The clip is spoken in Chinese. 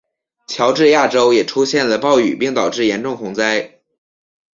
乔治亚州也出现了暴雨并导致严重洪灾。